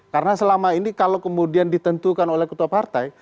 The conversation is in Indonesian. karena selama ini kalau kemudian ditentukan oleh ketua partai